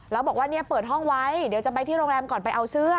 แล้วบอกว่าเนี่ยเปิดห้องไว้เดี๋ยวจะไปที่โรงแรมก่อนไปเอาเสื้อ